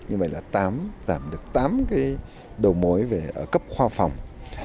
như vậy là tám giảm được tám cái đầu mối ở cấp khoa phòng